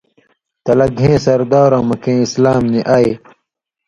تلہ گھېں سردارؤں مہ کېں اِسلام نی آئۡ